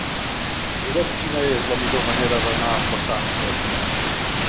Mira'm quina és la millor manera d'anar a Flaçà amb tren.